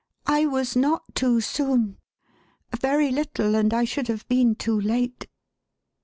I was not too soon. A very little and I should have been too late."